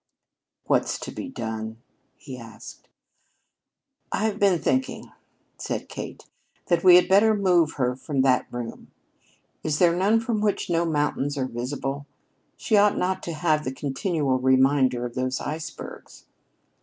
"What's to be done?" he asked. "I've been thinking," said Kate, "that we had better move her from that room. Is there none from which no mountains are visible? She ought not to have the continual reminder of those icebergs."